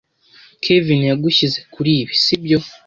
Kevin yagushyize kuri ibi, sibyo?